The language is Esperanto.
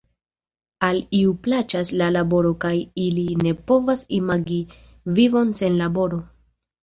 Al iuj plaĉas la laboro kaj ili ne povas imagi vivon sen laboro.